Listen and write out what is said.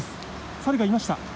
サルがいました。